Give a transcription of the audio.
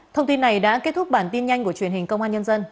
thông tin này đã kết thúc bản tin nhanh của truyền hình công an nhân dân